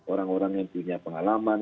orang orang yang punya pengalaman